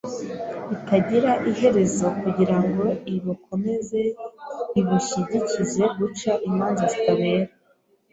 bitagira iherezo kugira ngo ibukomeze ibushyigikize guca imanza zitabera